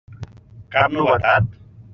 Cap novetat?